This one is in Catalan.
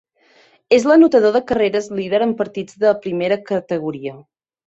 És l'anotador de carreres líder en partits de primera categoria.